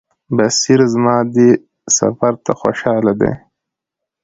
بصیر زما دې سفر ته خوشاله دی.